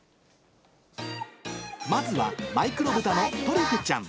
まずはマイクロブタのトリュフちゃん。